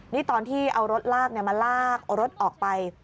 นี่ตอนที่เอารถลากมาลากรถออกไป